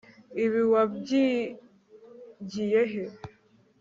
Ibi wabyigiye he